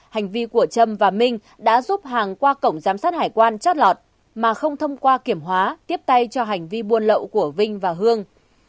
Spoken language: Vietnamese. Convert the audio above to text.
hành vi của trâm và minh đã giúp hàng qua cổng giám sát hải quan chót lọt mà không thông qua kiểm hóa tiếp tay cho hành vi buôn lậu của vinh và hương